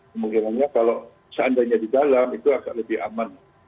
kemungkinannya kalau seandainya di dalam itu agak lebih aman